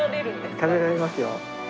食べられますよ。